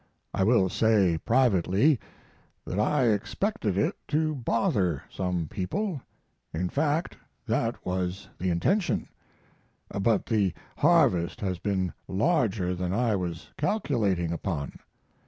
I will say privately that I expected it to bother some people in fact, that was the intention but the harvest has been larger than I was calculating upon.